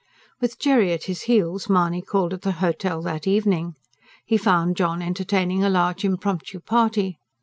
With Jerry at his heels, Mahony called at the hotel that evening. He found John entertaining a large impromptu party.